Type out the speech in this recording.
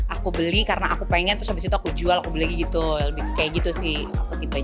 aku beli karena aku pengen terus habis itu aku jual aku beli gitu kayak gitu sih aku tipe